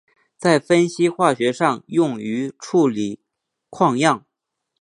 在分析化学上用于处理矿样。